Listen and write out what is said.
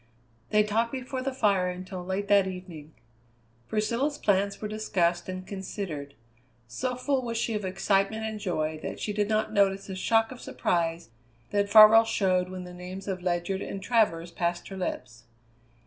They talked before the fire until late that evening. Priscilla's plans were discussed and considered. So full was she of excitement and joy that she did not notice the shock of surprise that Farwell showed when the names of Ledyard and Travers passed her lips.